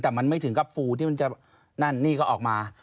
แต่มันไม่ถึงกับฟูที่มันจะนั่นนี่ก็ออกมา